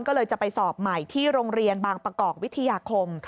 ก็เลยจะไปสอบใหม่ที่โรงเรียนบางประกอบวิทยาคม